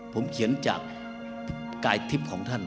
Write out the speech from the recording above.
ผมเขียนจากกายทิพย์ของท่าน